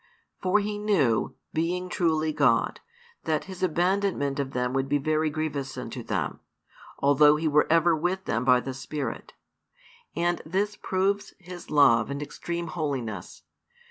For He knew, being truly God, that His abandonment of them would be very grievous unto them, although He were ever with them by the Spirit. And this proves His love and extreme holiness.